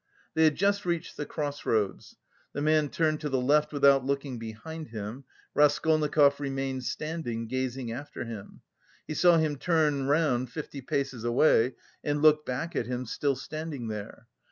They had just reached the cross roads. The man turned to the left without looking behind him. Raskolnikov remained standing, gazing after him. He saw him turn round fifty paces away and look back at him still standing there.